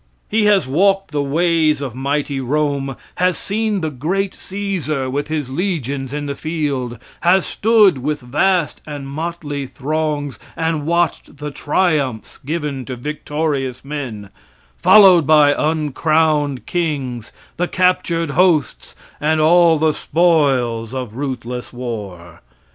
He has walked the ways of mighty Rome, has seen the great Caesar with his legions in the field, has stood with vast and motley throngs and watched the triumphs given to victorious men, followed by uncrowned kings, the captured hosts and all the spoils of ruthless war.